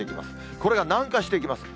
これが南下していきます。